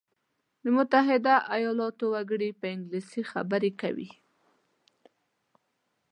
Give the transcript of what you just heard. د متحده ایلاتو وګړي په انګلیسي ژبه خبري کوي.